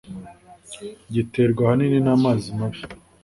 giterwa ahanini namazi mabi